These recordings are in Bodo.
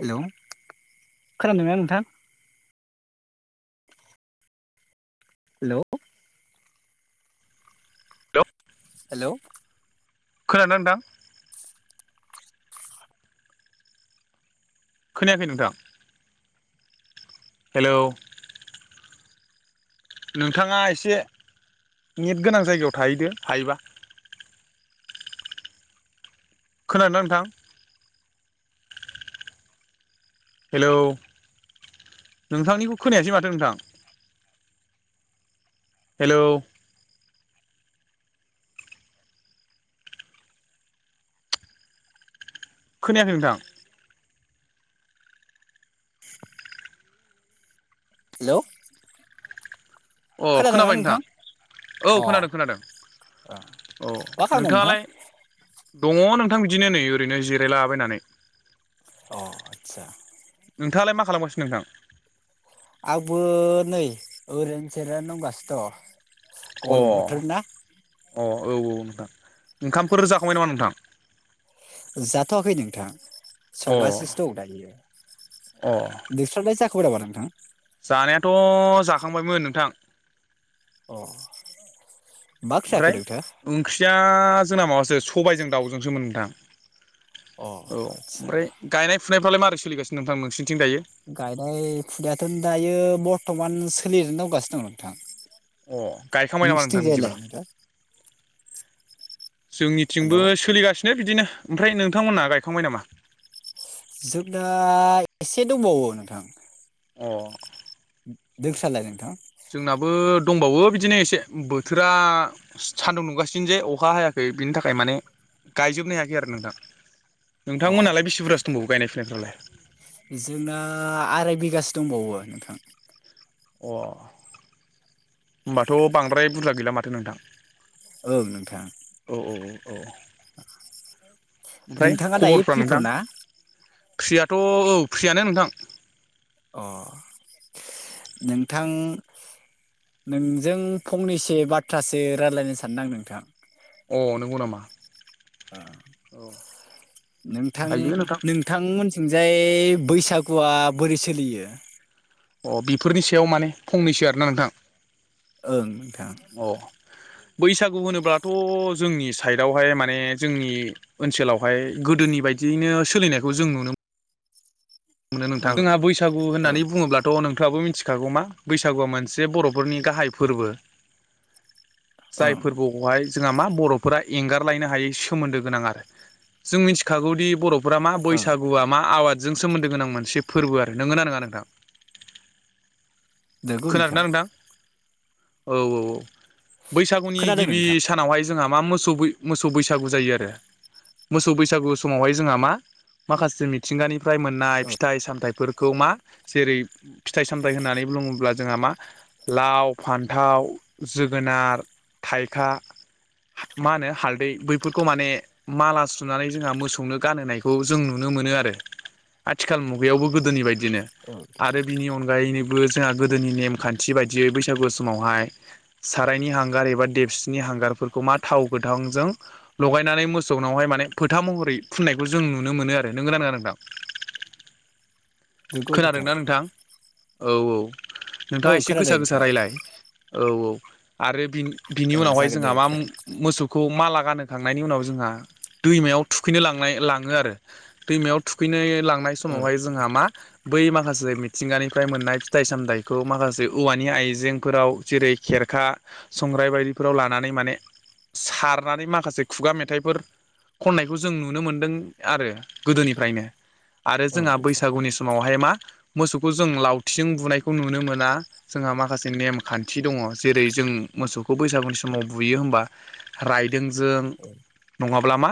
हेलौ खोनादों ना नोंथां? हेलौ। हेलौ। खोनादों ना नोंथां? खोनायाखै नोंथां हेलौ। नोंथाङा एसे नेट गोनां जायगायाव थाहैदो हायोबा। खोनादों ना नोंथां? हेलौ नोंथांनिखौ खोनायासै माथो नोंथां। हेलौ। खोनायाखै नोंथां। हेलौ। अ खोनाबाय नोंथां। औ अ खोनादों खोनादों अ औ मा खालामदों नोंथां? नोंथाङालाय दङ नोंथां बिदिनो नै ओरैनो जिरायलाबायनानै। अ आचसा। नोंथाङालाय मा खालामगासिनो नोंथां? आंबो नै ओरैनो जिरायनानै दंगासिनो दं। अ गरम बोथोर ना। अ औ औ नोंथां ओंखामफोर जाखांबाय नामा नोंथां? जाथ'वाखै नोंथां। अ संगासिनो दं दायो अ नोंस्राालाय जाखांबाय नामा नोंथां? जानायाथ' जाखांबायमोन नोंथां। अ। मा ओंख्रि जाखो ओमफ्राय नोंथां? ओंख्रिया जोंना माबासो सबायजों दाउजोंसोमोन नोंथां औ अ आदसा ओमफ्राय गायनाय फुना फुनायफ्रालाय मारै सोलिगासिनो नोंथां नोंसिन गायनाय फुनायाथ' दायो बर्थ'मान सोलिनानै दंगासिनो दं अ नोंथां। गायखांबाय नामा नोंथां नोंसिथिं जाय बिदिबा लाय? जोंनिथिंबो सोलिगासिनो बिदिनो ओमफ्राय नोंथांमोनहा गायखांबाय नामा? जोंना एसे दंबावो नोंथां। अ। नोंसालाय नोंथां। जोंनाबो दंबावो बिदिनो एसे बोथोरा सान्दुं दुंगासिनो जे अखा हायाख बिब्दिनि थाखाय माने गायजोबनो हायाखै आरो नोंथां। अ नोंथांमोनहालाय बेसे बुरजासो दंबावो गायनाय फुनायफ्रालाय जोंना आराय बिगासो दंबावो नोंथां। अ होमबाथ' बांद्राय बुरजा गैला माथो नोंथां। ओं नोंथां। औ औ औ औ ओमफ्राय नोंथाङा दायो खबरफ्रा फ्रिथ' नोंथां। ना फ्रियाथ' औ फ्रियानो नोंथां। अ नोंथां। नोंजों फंनैसो बाथ्रासो रायजलायनो सानदों आं नोंथां। अ नंगौ नामा? औ नोंथां नोंथां मोन थिंजाय बैसागुआ बोरै सोलियो। अ बेफोरनि सायाव माने फंनैसो आरोना नोंथां। ओं नोंथां। अ बैसागु होनोब्लाथ' जोंनि साइडआवहाय माने जोंनि ओनसोलावहाय गोदोनि बायद बिदियैनो सोलिनायखौ जों नुनो मोनो नोंथां ओं जोंहा बैसागु ओं होननानै बुङोब्लाथ' नोंथ थाङाबो मिथिखागौ मा बैसागुआ मोनसे बर'फोरनि गाहाय फोरबो। जाय ओं फोरबोखौहाय जोंहा मा बर'फोरा एंगारलायनो हायै सोमोन्दो गोनां आरो जों मिथिखागौदि बर' फोरा मा ओं बैसागुआ मा आबादजों सोमोन दो गोनां मोनसे फोरबो आरो नोंगोना नङा नोंथां? नोंगौ नोंथां औ औ औ बैसागुनि खोनादों गिबि नोंथां सानावहाय जोंहा मा मोसौ बै मोसौ बैसागु जायो आरो मोसौ बैसागु समावहाय जोंहा मा माखासे मिथिंगानि फ्राय मोननाय औ फिथाइ सामथाइफोरखौ मा जेरै- फिथाइ सामथाइ होननानै बुङोब्ला जोंहा मा लाव फान्थाव जोगोनार थाइखा मा होनो हालदै बैफोरखौ माने माला सुनानै जोंहा मोसौनो गानहोनायखौ जों नुनो मोनो आरो आथिखाल मुगायावबो गोदोनि बायदिनो औ आरो बिनि अनगायैनोबो जोंहा गोदोनि नेम खान्थि बायदियै बैसागु समावहाय सारायनि हांगार एबा देबसिनि हांगारफोरखौ मा थाव गोथां जों लगायनानै मोसौनावहाय मान फोथा महरै फुननायखौ जों नुनो मोनो आरो। नोंगोना नोंथां [inaudible] खोनादोंना नोंथां औ औ औ नोंथाङा एसे खोनादों गोसा गोसा नोंथां रायलाय औ औ आरो बि बिनि औ उनावहाय जागोन दे जोंहा मा नोंथां मोसौखौ माला गानहोखांनायनि उनाव जोंहा दैमायाव थुखैनो लांनाय लाङो आरो दैमायाव थुखैनो लां नाय औ समावहाय जोंहा मा बै माखासे मिथिंगानिफ्राय मोननाय फिथाइ सामथाइ खौ माखासे औवानि आइजेंफोराव जेरै- खेरखा संग्राय बायदिफोराव लानानै माने सारनानै माखासे खुगा मेथाइफोर खननायखौ जों नुनो मोनदों आरो गोदोनिफ्रायनो आरो औ जोंहा नोंथां बैसागुनि समावहाय मा मोसौखौ जों लावथिजों बुनाय खौ नुनो मोना जोंहा माखासे नेम खान्थि दङ जेरै- जों मोसौखौ बैसागुनि समाव बुयो होनबा रायदों जों नङा ब्ला मा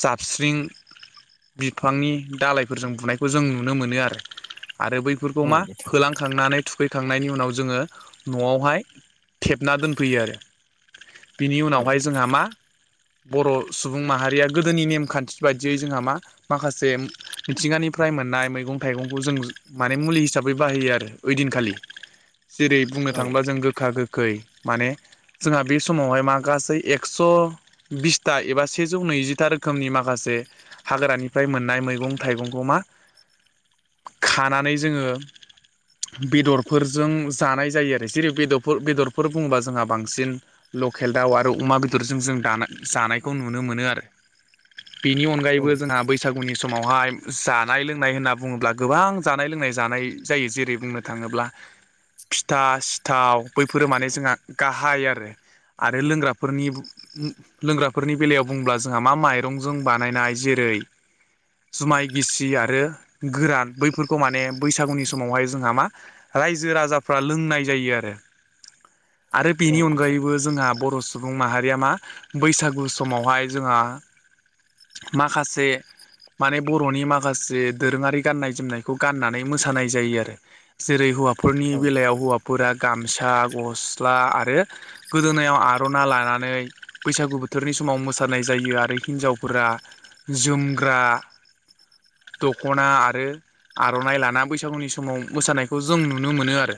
जाबस्रिं बिफांनि दालायफोरजों बुनायखौ जों नुनो मोनो आरो आरो औ बैफोरखौ नोंथां औ नोंथां। औ मा होलांखांनानै थुखैखांनायनि उनाव जोङो न'आवहाय थेबना दोनफैयो आरो बिनि उनावहाय नोंथां जोंहा मा बर' सुबुं माहारिया गोदोनि नेमखान्थि बायदियै जोंहा मा माखासे मिथिंगानिफ्राय मोननाय मैगं थायगंखौ जों माने मुलि हिसाब बै बाहायो आरो ओइदिनखालि जेरै- बुंनो थाङोबा जों गोखा गोखै माने जोंहा बे समावहाय मा गासै एक्स' बिसथा एबा सेजौ नैजिथा रो खोमनि माखासे हाग्रानिफ्राय मोननाय मैगं थाइगंखौ मा [inaudible] खानानै जोङो [inaudible] बेदरफोरजों जानाय जायो आरो जेरै- बेदरफोर बेदरफोर बुङोबा जोंहा बांसिन ल केल दाव आरो अमा बेदरजों जों दानाय जानायखौ नुनो मोनो आरो। [inaudible] बेनि अनगायैबो जोंहा बैसागुनि समावहाय जानाय लोंनाय होनना बुङोब्ला गोबां जानाय लोंनाय जानाय जायो जेरै- बुंनो थाङोब्ला फिथा सिथाव बैफोरो माने जोंहा गाहाय आरो आरो लोंग्राफोरनि लोंग्राफोरनि बेलायाव बुंब्ला जोंहा मा माइरंजों बानायनाय जेरै- जुमाय गिसि आरो गोरान बैफोरखौ माने बैसागुनि समावहाय जोंहा मा रायजो राजाफ्रा लोंनाय जायो आरो आरो औ बेनि नोंथां अनगायैबो जोंहा बर' सुबुं माहारिया मा बैसागु समावहाय जोंहा माखासे माने बर'नि माखासे दोरोङारि गाननाय जोमनायखौ गाननानै मोसानाय जायो आरो जेरै हौवाफोरनि औ बेलायाव हौफोरा ग ओ गस्ला आरो गोदोनायाव आर'ना लानानै बैसागु बोथोरनि समाव मोसानाय मोसानाय जायो आरो हिन्जावफोरा जोमग्रा [unintelligible] [inaudible] दख'ना आरो आर'नाइ लाना बैस बैसागुनि समाव मोसानायखौ जों नुनो मोनो आरो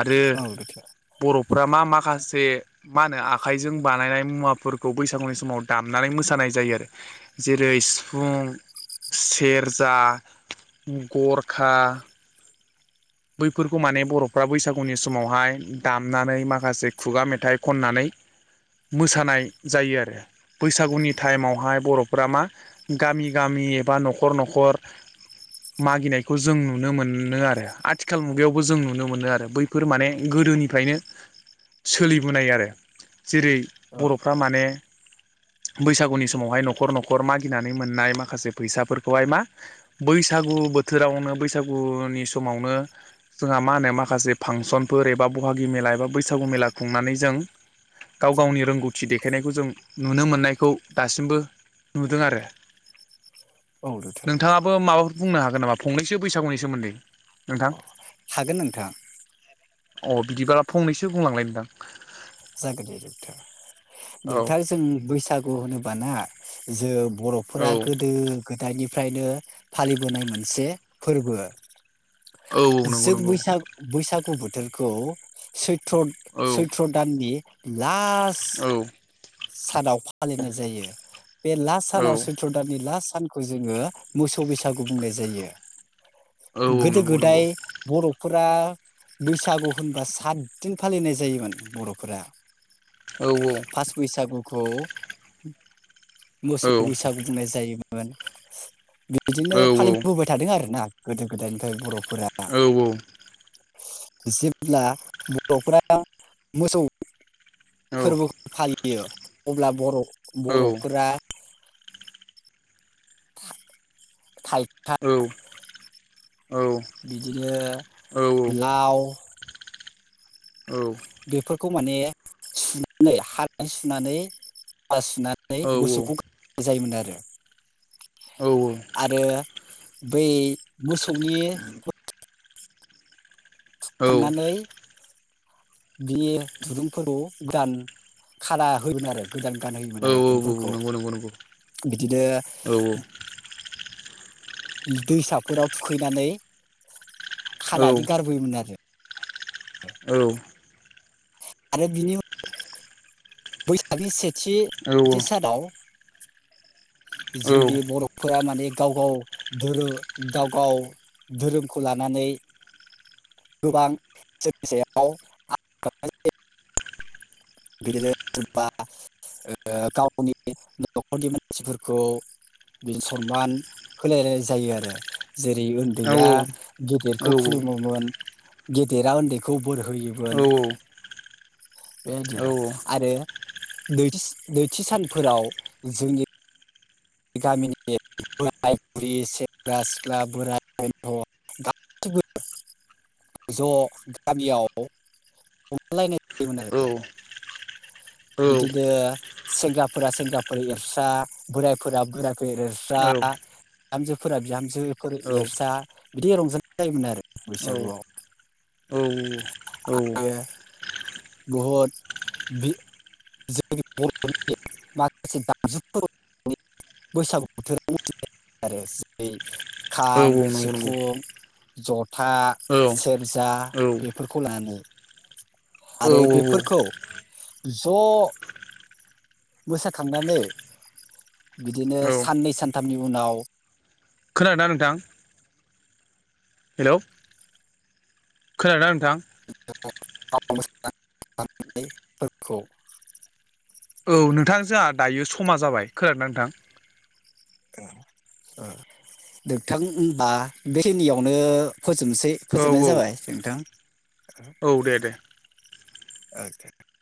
आरो औ दोगथार बर'फ्रा मा माखासे मा होनो आखाइजों बानायनाय मुवाफोरखौ बैसागुनि समाव दामनानै मोसानाय जायो आरो जेरै सिफुं सेरजा गर खा [unintelligible] [inaudible] बैफोरखौ माने बर'फ्रा बैसागुनि समावहाय दामनानै माखासे खुगा मेथाइ खननानै मोसानाय जायो आरो बैसागुनि टाइमावहाय बर'फ्रा मा गामि गामि बा नखर नखर मागिनाय खौ जों नुनो मोनो आरो आथिखाल मुगायावबो जों नुनो मोनो आरो बैफोर माने गोदोनिफ्रायनो सोलिबोनाय आरो जेरै औ बर'फ्रा माने [unintelligible] [inaudible] बैसागुनि समावहाय न'खर न'खर मागिनानै मोननाय माखासे फैसाफोरखौहाय मा बैसागु बो बोथोरावनो बैसागुनि समावनो जोंहा मा होनो माखासे फांसनफोर एबा बहागि मेला एबा बैसागु मेला खुंनानै जों गाव गावनि रोंगौथि देखायनायखौ जों नुनो मोननायखौ दासिमबो नुदों आरो [unintelligible] [inaudible] दोगथार नोंथाङाबो माबाफोर बुंनो हागोन नामा फंनैसो बैसागुनि सोमोन्दै नोंथां हागोन नोंथां अ बिदिबा फंनैसो बुंलांलाय नोंथां जागोन दे नोंथां औ नोंथां जों बैसागु होनोबाना जों औ बर'फोरा गोदो गोदायनिफ्रायनो फालिबोनाय मोनसे फोरबो औ नंगौ जों नंगौ बैसागु बैसागु बोथोरखौ सैथ्र औ सैथ्र बे लास्ट औ सानाव फालिनाय जायो बे लास्ट सानाव औ सैत्र दाननि लास्ट सानखौ जोङो मोसौ बैसागु बुंनाय जायो औ नंगौ औ नंगौ औ गोदो गोदाय बर'फोर फोरा बैसागु होनबा सातदिन फालिनाय जायोमोन बर'फोरा औ फार्स्ट बैसागुखौ मोसौ बैसागु बुंनाय जायोमोन बिदिनो फालिबोबाय थादों आर ना गोदो गोदायनिफ्राय बर' औ जेब्ला बर'फोरा मोसौ फोरबोखौ फालियो अब्ला बर' बर'फोरा थाय औ बिदिनो लाव औ बेफोरखौ माने सुनानै हानानै सुनानै हा सुनानै मोसौखौ गनाय जायोमोन आरो आरो बै मोसौनि [unintelligible] थांनानै बे दुरुंफोरखौ गोदान खाना होगोन आरो। गोदान गानहोयोमोन आरो दंफोरखौ नंगौ नंगौ औ बिदिनो औ दैसाफोराव थुखैनानै औ खानानै गारबोयोमोन आरो [unintelligible] औ आरो बिनि उन बैसागि सेथि थि सानाव जोंनि बर'फोरा माने गाव गाव धोरो गाव गाव धोरोमखौ लानानै गोबां [unintelligible] बिदिनो [unintelligible] ओ गावनि न'खरनि मानसिफोरखौ बि सनमान होलायनाय जायो आरो जेरै उन्दैया गेदिर खौ खुलुमोमोन गेदेरा उन्दैखौ बोर होयोमोन बे आदि आरो दैथि दैथि सानफोराव जोंनि गामिनि बोराय बुरि सेंग्रा सिख्ला बोरायथ गाससिबो ज' गामियाव हमलायनाय जायोमोन आरो बिदिनो सेंग्राफोरा सेंग्राफोरा एरस्रा बोरायफोरा बोरायफोर एरस्रा आ बिहामजोफोरा बिहामजोफोर एफसा बिदि रंजानाय जायोमोन आरो बैसागुआव औ औ [inaudible] बहद बि [unintelligible] बैसागु बोथोरनि [unintelligible] आरो जेरै खाम सिफुं जथा सेरजा बेफोरखौ लानानै आरो बेफोरखौ ज' मोसाखांनानै बिदिनो साननै सानथामनि उनाव खोनादोंना नोंथां [inaudible] हेलौ खोनादों नोंथां? [unintelligible] औ नोंथां जोंहा दायो समा जाबाय। खोनादों नोंथां? [unintelligible] दोंथां होनबा बेखिनियावनो फोजोबसै औ फोजोबनाय जाबाय औ नोंथां औ दे दे [unintelligible] [unintelligible]